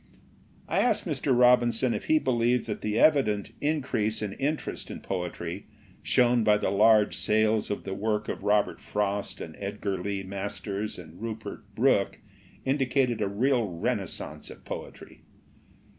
I asked Mr. Robinson if he believed that the evident increase in interest in poetry, shown by the large sales of the work of Robert Frost and Edgar Lee Masters and Rupert Brooke, indicated a real renascence of poetry.